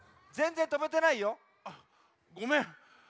あっごめん。